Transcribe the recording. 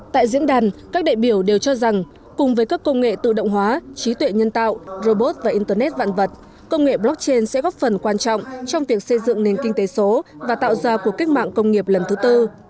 tại diễn đàn các đại biểu đều cho rằng cùng với các công nghệ tự động hóa trí tuệ nhân tạo robot và internet vạn vật công nghệ blockchain sẽ góp phần quan trọng trong việc xây dựng nền kinh tế số và tạo ra cuộc cách mạng công nghiệp lần thứ tư